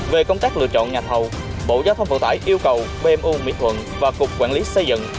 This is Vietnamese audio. về công tác lựa chọn nhà thầu bộ giao thông vận tải yêu cầu bmo mỹ thuận và cục quản lý xây dựng